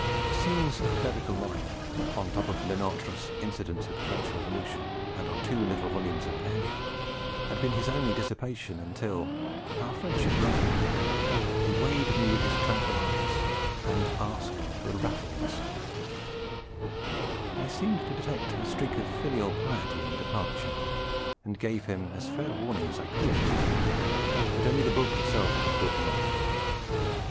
Scenes of Clerical Life (on top of Lenotre's Incidents of the French Revolution, and our two little volumes of Elia) had been his only dissipation until, our friendship ripening, he weighed me with his tranquil eyes and asked for Raffles. I seemed to detect a streak of filial piety in the departure, and gave him as fair warning as I could; but only the book itself could put him off.